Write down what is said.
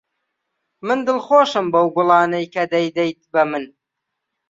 من دڵخۆشم بەو گوڵانەی کە دەیدەیت بە من.